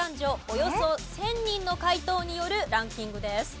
およそ１０００人の回答によるランキングです。